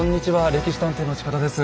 「歴史探偵」の近田です。